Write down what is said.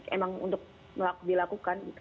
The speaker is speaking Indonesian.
emang untuk dilakukan